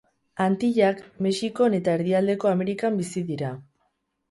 Antillak, Mexikon eta Erdialdeko Amerikan bizi dira.